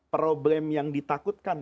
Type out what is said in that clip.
problem yang ditakutkan